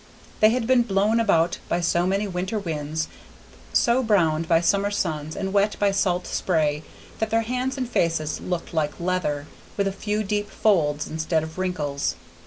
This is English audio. They had been blown about by so many winter winds, so browned by summer suns, and wet by salt spray, that their hands and faces looked like leather, with a few deep folds instead of wrinkles.